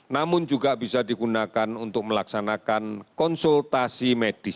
namun juga bisa digunakan untuk melaksanakan konsultasi medis